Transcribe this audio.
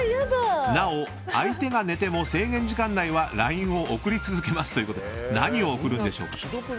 なお、相手が寝ても制限時間内はＬＩＮＥを送り続けますということで何を送るんでしょうか。